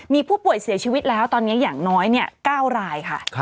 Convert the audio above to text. มีผู้ป่วยเสียชีวิตแล้วตอนนี้อย่างน้อย๙รายค่ะ